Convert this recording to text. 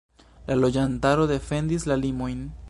La loĝantaro defendis la limojn.